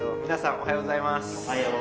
おはようございます。